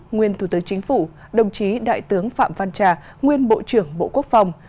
nguyên thủ tướng chính phủ đồng chí đại tướng phạm văn trà nguyên bộ trưởng bộ quốc phòng